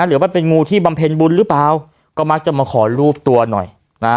หรือว่าเป็นงูที่บำเพ็ญบุญหรือเปล่าก็มักจะมาขอรูปตัวหน่อยนะ